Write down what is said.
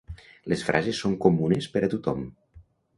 Les frases són comunes per a tothom.